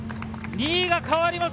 ２位が変わります。